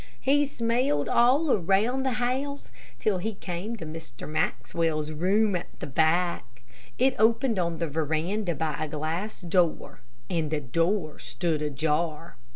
He smelled all around the house till he came to Mr. Maxwell's room at the back. It opened on the veranda by a glass door, and the door stood ajar.